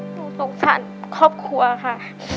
สงสารครอบครัวค่ะ